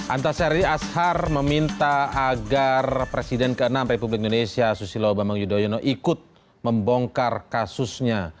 antasari ashar meminta agar presiden ke enam republik indonesia susilo bambang yudhoyono ikut membongkar kasusnya